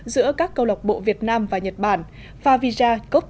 giữa các câu lọc bộ việt nam và nhật bản favija cup hai nghìn một mươi tám